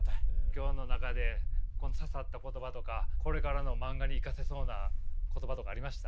今日の中で刺さった言葉とかこれからの漫画に生かせそうな言葉とかありました？